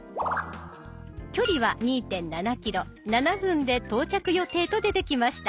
距離は２．７ｋｍ７分で到着予定と出てきました。